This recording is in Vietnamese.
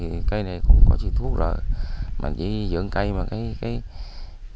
mắt kim đaku không phải whole men or hay homemade wine